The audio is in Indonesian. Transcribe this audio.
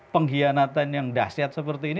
pengkhianatan yang dahsyat seperti ini